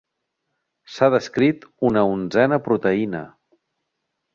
S'ha descrit una onzena proteïna.